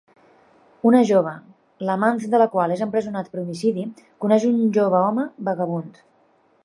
Una jove, l'amant de la qual és empresonat per homicidi, coneix un jove home vagabund.